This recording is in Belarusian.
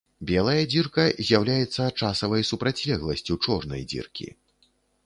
Белая дзірка з'яўляецца часавай супрацьлегласцю чорнай дзіркі.